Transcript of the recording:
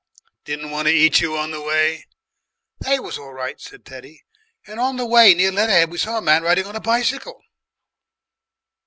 "Didn't want to eat you on the way?" "They was all right," said Teddy, "and on the way near Leatherhead we saw a man riding on a bicycle."